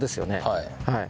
はい。